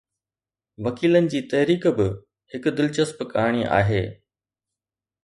وڪيلن جي تحريڪ به هڪ دلچسپ ڪهاڻي آهي.